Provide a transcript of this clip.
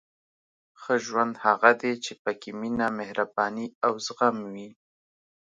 • ښه ژوند هغه دی چې پکې مینه، مهرباني او زغم وي.